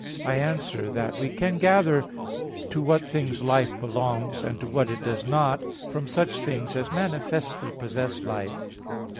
I answer that, We can gather to what things life belongs, and to what it does not, from such things as manifestly possess life.